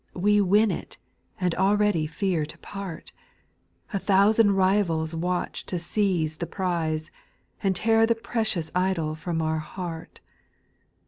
We win it, and already fear to part, A thousand rivals watch to seize the prize, And tear the precious idol from our heart.